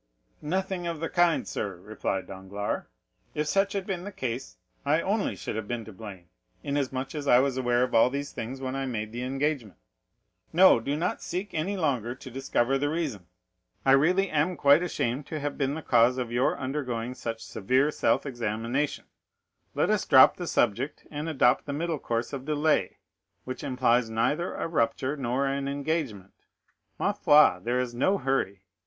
"Nothing of the kind, sir," replied Danglars: "if such had been the case, I only should have been to blame, inasmuch as I was aware of all these things when I made the engagement. No, do not seek any longer to discover the reason. I really am quite ashamed to have been the cause of your undergoing such severe self examination; let us drop the subject, and adopt the middle course of delay, which implies neither a rupture nor an engagement. Ma foi, there is no hurry.